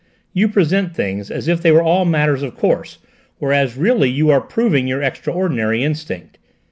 "You present things as if they were all matters of course, whereas really you are proving your extraordinary instinct.